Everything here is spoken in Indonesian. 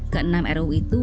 keenam ruu itu